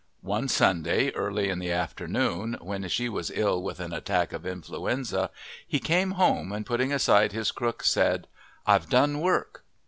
One Sunday, early in the afternoon, when she was ill with an attack of influenza, he came home, and putting aside his crook said, "I've done work."